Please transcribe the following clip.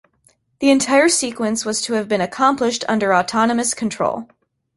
The entire sequence was to have been accomplished under autonomous control.